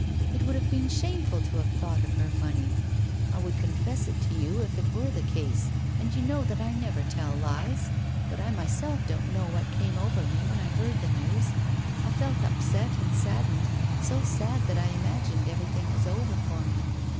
It would have been shameful to have thought of her money. I would confess it to you if it were the case, and you know that I never tell lies; but I myself don't know what came over me when I heard the news. I felt upset and saddened, so sad that I imagined everything was over for me.